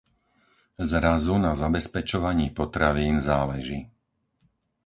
Zrazu na zabezpečovaní potravín záleží.